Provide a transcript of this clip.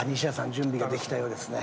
準備ができたようですね。